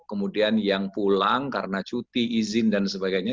kemudian yang pulang karena cuti izin dan sebagainya